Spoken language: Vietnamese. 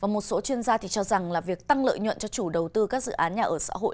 một số chuyên gia thì cho rằng là việc tăng lợi nhuận cho chủ đầu tư các dự án nhà ở xã hội